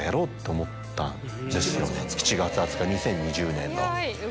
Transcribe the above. ７月２０日２０２０年の。